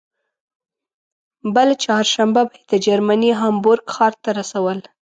بله چهارشنبه به یې د جرمني هامبورګ ښار ته رسول.